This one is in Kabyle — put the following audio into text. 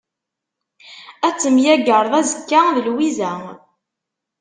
Ad temyagreḍ azekka d Lwiza.